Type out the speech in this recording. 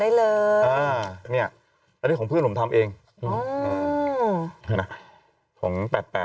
อันนี้ของเพื่อนผมทำเองของ๘๘